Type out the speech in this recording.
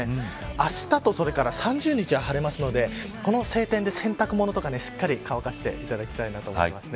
あしたと３０日は晴れますのでこの晴天で洗濯物をしっかり乾かしていただきたいと思います。